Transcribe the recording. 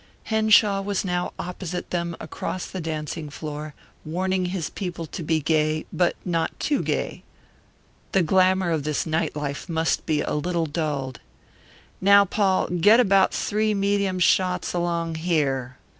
Henshaw was now opposite them across the dancing floor, warning his people to be gay but not too gay. The glamour of this night life must be a little dulled. "Now, Paul, get about three medium shots along here.